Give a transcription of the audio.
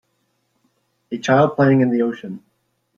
A child playing in the ocean.